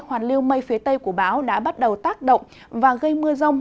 hoàn lưu mây phía tây của bão đã bắt đầu tác động và gây mưa rông